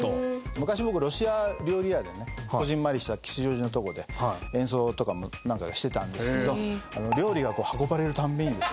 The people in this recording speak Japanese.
昔僕ロシア料理屋でねこぢんまりした吉祥寺のとこで演奏とかもしてたんですけど料理が運ばれる度にですね。